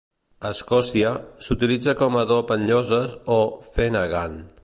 A Escòcia, s'utilitza com a adob en lloses o "feannagan".